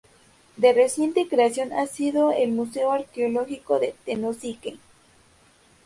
De reciente creación ha sido el Museo Arqueológico de Tenosique.